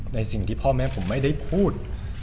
ในสิ่งที่พ่อแม่ผมไม่ได้พูด